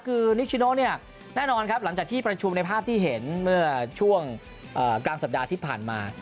คือนิชิโนเนี่ยแน่นอนครับหลังจากที่ประชุมในภาพที่เห็นเมื่อช่วงกลางสัปดาห์ที่ผ่านมา